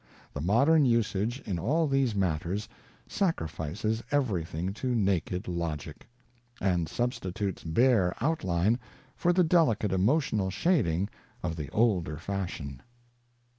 The modern usage in all these matters sacrifices everything to naked logic ; and substitutes bare outline for the delicate emotional shading of the older fashion.